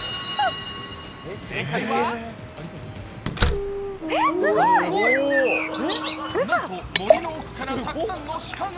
正解は森の奥からたくさんの鹿が。